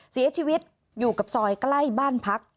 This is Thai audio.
เสียชีวิตอยู่กับซอยใกล้บ้านพัก